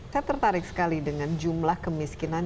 saya tertarik sekali dengan jumlah kemiskinan